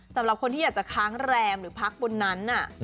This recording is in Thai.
สำหรับคนที่อยากจะค้างแรมหรือพักบนนั้น